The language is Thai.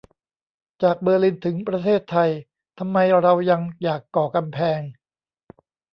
จากเบอร์ลินถึงประเทศไทยทำไมเรายังอยากก่อกำแพง